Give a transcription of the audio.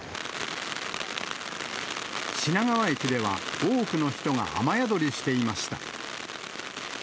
品川駅では、多くの人が雨宿りしていました。